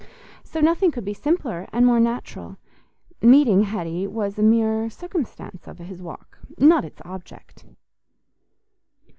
So nothing could be simpler and more natural: meeting Hetty was a mere circumstance of his walk, not its object.